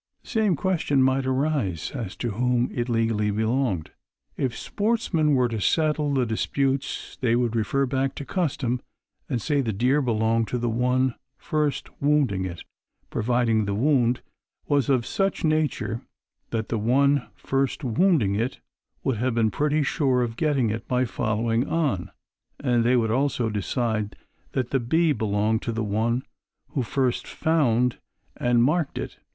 The same question might arise as to whom it legally belonged. If sportsmen were to settle the disputes they would refer back to custom and say the deer belonged to the one first wounding it, providing the wound was of such nature that the one first wounding it would have been pretty sure of getting it, by following on, and they would also decide that the bee belonged to the one who first found and marked it.